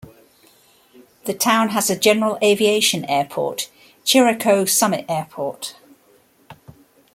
The town has a general aviation airport, Chiriaco Summit Airport.